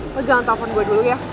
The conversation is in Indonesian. put lo jangan telfon gue dulu ya